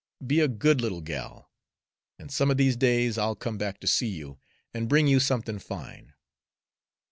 "Be a good little gal, an' some o' these days I'll come back to see you and bring you somethin' fine."